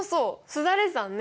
すだれ算ね。